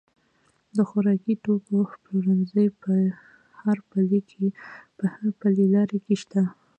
د خوراکي توکو پلورنځي په هر پلې لار کې شته.